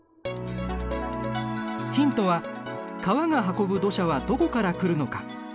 ヒントは川が運ぶ土砂はどこから来るのか。